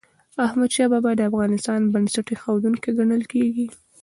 احمدشاه بابا د افغانستان بنسټ ايښودونکی ګڼل کېږي.